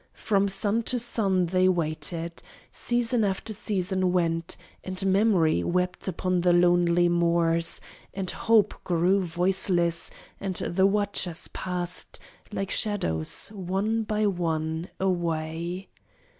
From sun to sun They waited. Season after season went, And Memory wept upon the lonely moors, And hope grew voiceless, and the watchers passed, Like shadows, one by one away.